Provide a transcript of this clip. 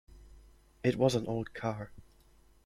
It was an old car.